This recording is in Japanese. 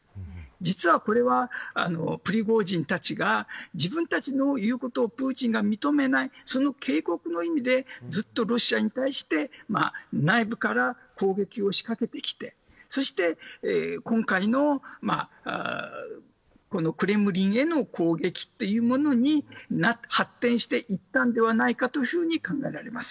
実は、これはプリゴジンたちが自分たちの言うことをプーチンが認めないその警告の意味でずっとロシアに対して内部から攻撃を仕掛けてそして、今回のクレムリンへの攻撃というものに発展していったのではないかというふうに考えられます。